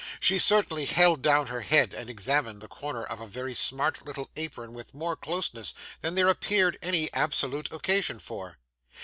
She certainly held down her head, and examined the corner of a very smart little apron, with more closeness than there appeared any absolute occasion for.